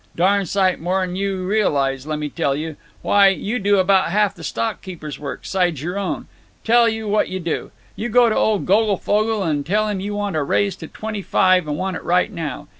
Darn' sight more than you realize, lemme tell you. Why, you do about half the stock keeper's work, sides your own. Tell you what you do. You go to old Goglefogle and tell him you want a raise to twenty five, and want it right now.